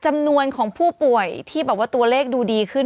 จำนวนของผู้ป่วยที่แบบว่าตัวเลขดูดีขึ้น